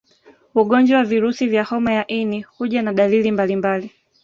Ugonjwa wa virusi vya homa ya ini huja na dalili mbalimbali